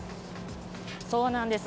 そうなんです。